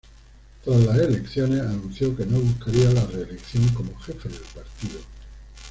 Tras las elecciones, anunció que no buscaría la reelección como jefe del partido.